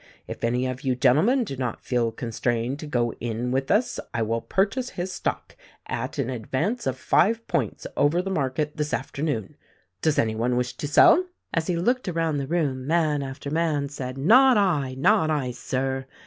If any of you gentlemen do not feel con strained to go in with us I will purchase his stock at an advance of five points over the market this afternoon. Does any one wish to sell ?" As he looked around the room man after man said, "Not I! Not I, Sir!"